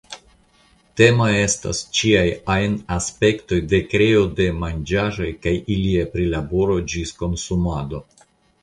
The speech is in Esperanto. Temo estas ĉiaj ajn aspektoj de kreo de manĝaĵoj kaj ilia prilaboro ĝis konsumado.